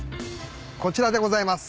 こちらでございます。